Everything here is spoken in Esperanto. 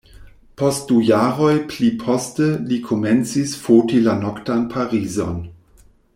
Post du jaroj pli poste li komencis foti la noktan Parizon.